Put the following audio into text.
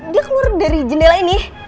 dia keluar dari jendela ini